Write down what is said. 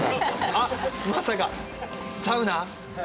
あっまさかサウナ？